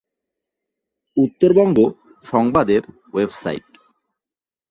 উত্তরবঙ্গ সংবাদের ওয়েবসাইট